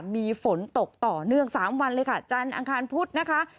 มีฝนตกต่อเนื่อง๓วันเลยค่ะจันทร์อังคารพุธนะคะ